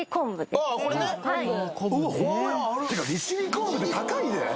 これねはいてか利尻昆布って高いで？